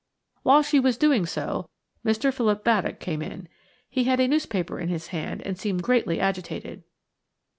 While she was doing so Mr. Philip Baddock came in. He had a newspaper in his hand and seemed greatly agitated.